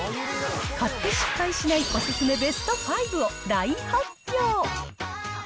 買って失敗しないお勧めベスト５を大発表。